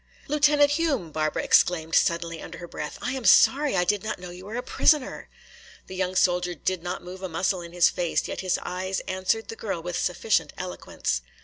"Lieutenant Hume!" Barbara exclaimed suddenly under her breath. "I am sorry; I did not know you were a prisoner!" The young soldier did not move a muscle in his face, yet his eyes answered the girl with sufficient eloquence.